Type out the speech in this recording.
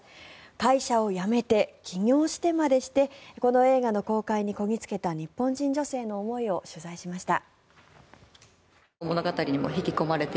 会社を辞めて起業までして今回の映画の公開にこぎ着けた日本人女性の思いを取材しました。